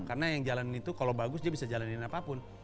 karena yang jalanin itu kalau bagus dia bisa jalanin apapun